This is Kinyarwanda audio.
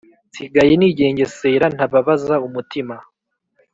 nsigaye nigengesera, ntababaza umutima